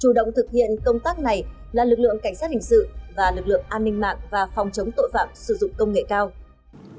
chủ động thực hiện công tác này là lực lượng cảnh sát hình sự và lực lượng an ninh mạng và phòng chống tội phạm sử dụng công nghệ cao